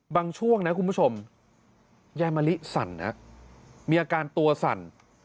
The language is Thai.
ช่วงนะคุณผู้ชมยายมะลิสั่นมีอาการตัวสั่น